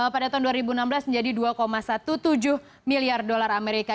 pada tahun dua ribu enam belas menjadi dua tujuh belas miliar dolar amerika